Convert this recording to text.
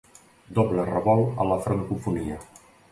Doble revolt a la francofonia.